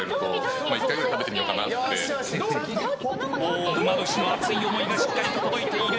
うま主の熱い思いがしっかり届いている。